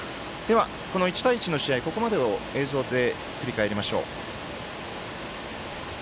１対１の試合、ここまでを映像で振り返りましょう。